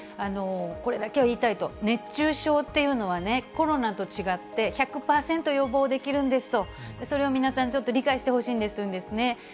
これだけは言いたいと、熱中症っていうのはね、コロナと違って、１００％予防できるんですと、それを皆さん、ちょっと理解してほしいんですというんですね。